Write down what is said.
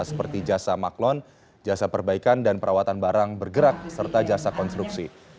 seperti jasa maklon jasa perbaikan dan perawatan barang bergerak serta jasa konstruksi